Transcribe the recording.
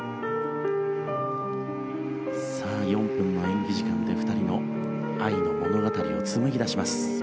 さあ４分の演技時間で２人の愛の物語を紡ぎ出します。